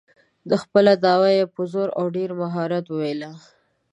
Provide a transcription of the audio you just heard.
خپله دعوه یې په زور او ډېر مهارت وویله.